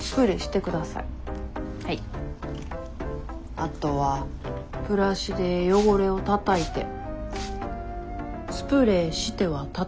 あとはブラシで汚れをたたいてスプレーしてはたたく。